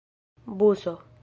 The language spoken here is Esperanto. buso